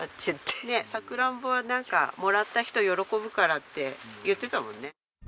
さくらんぼはなんか「もらった人喜ぶから」って言ってたもんね。